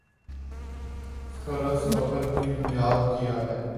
خر اس خبر کی بنیاد کیا ہے؟